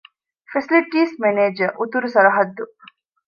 ފެސިލިޓީސް މެނޭޖަރ - އުތުރު ސަރަހައްދު